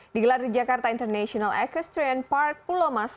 digelar di jakarta international equestrian park pulau mas